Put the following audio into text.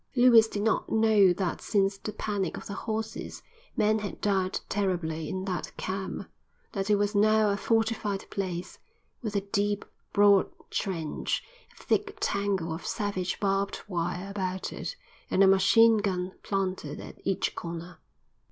Lewis did not know that since the panic of the horses men had died terribly in that camp; that it was now a fortified place, with a deep, broad trench, a thick tangle of savage barbed wire about it, and a machine gun planted at each corner.